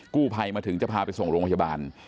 ภัยมาถึงจะพาไปส่งโรงพยาบาล